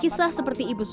kisah seperti ibu suami